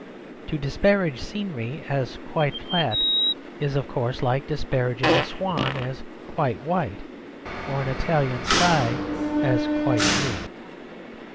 To disparage scenery as quite flat is, of course, like disparaging a swan as quite white, or an Italian sky as quite blue.